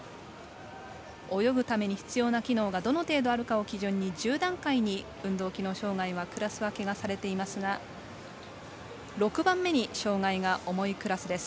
泳ぐために必要な機能がどの程度あるかを基準に１０段階に運動機能障がいはクラス分けがされていますが６番目に障がいが重いクラスです。